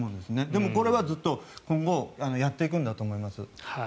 でもこれはずっと今後やっていくんだと思います。